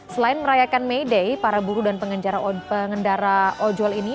selain merayakan may day para buru dan pengendara ojol ini